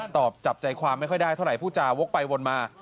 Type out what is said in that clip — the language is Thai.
ตอบจับใจความไม่ค่อยได้เท่าไหร่ผู้จาวกไปวนมา